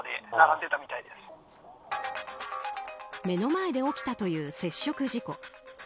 目の前で起きたという接触事故。